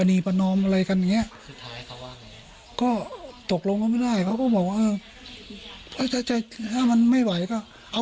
เดี๋ยวลองฟังพ่อดูค่ะ